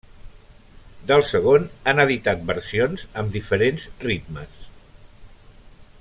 Del segon han editat versions amb diferents ritmes.